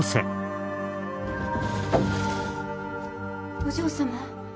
お嬢様。